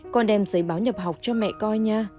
con đem giấy báo nhập học cho mẹ coi nha